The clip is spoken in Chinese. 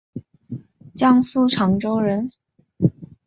江苏长洲人。